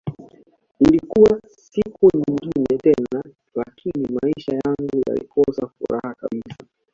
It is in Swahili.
Ilikuwa siku nyingine tena lakini maisha yangu yalikosa furaha kabisa